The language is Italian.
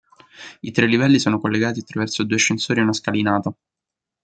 I tre livelli sono collegati attraverso due ascensori e una scalinata.